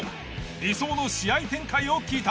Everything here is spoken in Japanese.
理想の試合展開を聞いた。